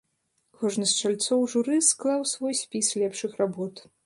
Кожны з чальцоў журы склаў свой спіс лепшых работ.